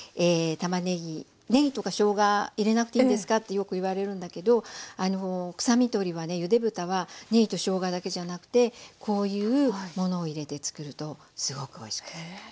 でねぎとかしょうが入れなくていいんですかってよく言われるんだけど臭み取りはねゆで豚はねぎとしょうがだけじゃなくてこういうものを入れて作るとすごくおいしくなります。